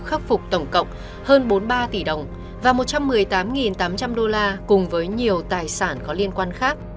khắc phục tổng cộng hơn bốn mươi ba tỷ đồng và một trăm một mươi tám tám trăm linh đô la cùng với nhiều tài sản có liên quan khác